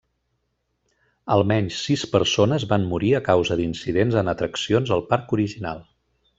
Almenys sis persones van morir a causa d'incidents en atraccions al parc original.